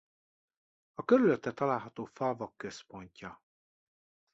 A körülötte található falvak központja.